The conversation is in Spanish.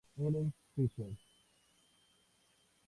Helen Fisher.